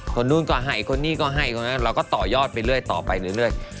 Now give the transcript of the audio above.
คนนู้นก็ให้คนนี้ก็ให้เราก็ต่อยอดไปเรื่อย